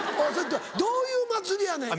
どういう祭りやねん？